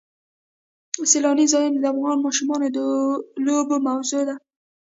سیلانی ځایونه د افغان ماشومانو د لوبو موضوع ده.